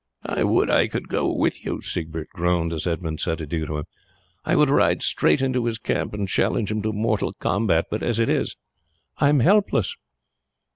"I would I could go with you," Siegbert groaned as Edmund said adieu to him. "I would ride straight into his camp and challenge him to mortal combat, but as it is I am helpless."